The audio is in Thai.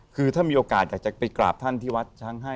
คือถ้ามีโอกาสอยากจะไปกราบท่านที่วัดช้างให้